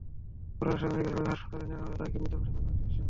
পরে Rajshahi medical college হাসপাতালে নেওয়া হলে তাঁকে মৃত ঘোষণা করেন চিকিৎসক।